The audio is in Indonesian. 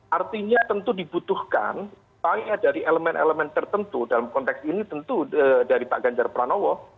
artinya tentu dibutuhkan upaya dari elemen elemen tertentu dalam konteks ini tentu dari pak ganjar pranowo